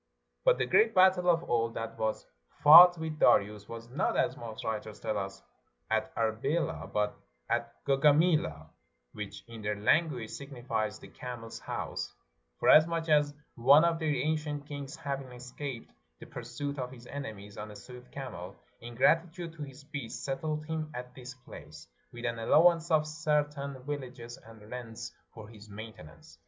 But the great battle of all that was fought with Darius, was not, as most writers tell us, at Arbela, but at Gauga mela, which, in their language, signifies the camel's house, forasmuch as one of their ancient kings having escaped the pursuit of his enemies on a swift camel, in gratitude to his beast, settled him at this place, with an allowance of certain villages and rents for his main tenance.